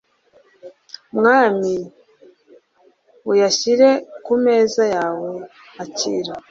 mwami), uyashyire ku meza yawe (akira